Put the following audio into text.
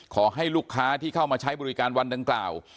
ขอให้ลูกค้าที่เข้ามาใช้บริการวันดังกล่าว